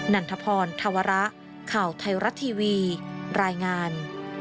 นันทพรธวระข่าวไทยรัฐทีวีรายงาน